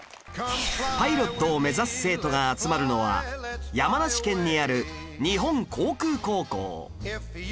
パイロットを目指す生徒が集まるのは山梨県にある日本航空高校